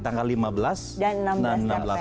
tanggal lima belas dan enam belas